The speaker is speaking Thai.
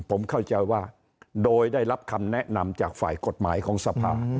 ผมเข้าใจว่าโดยได้รับคำแนะนำจากฝ่ายกฎหมายของสภา